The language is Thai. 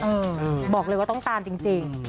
เออนะครับบอกเลยว่าต้องตามจริง